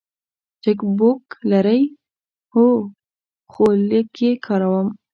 چک بوک لرئ؟ هو، خو لږ یی کاروم